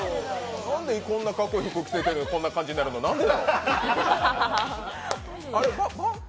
なんでこんなかっこよく着せてるのに何でこんな感じになるのなんでだろう？